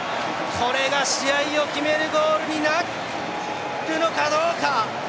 これが試合を決めるゴールになるのかどうか。